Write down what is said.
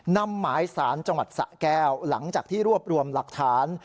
นำหมายสารจังหวัดสะแก้วหลังจากที่รวบรวมหลักฐาน